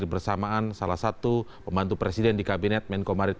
selamat malam pak sudirman said